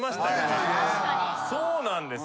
そうなんです。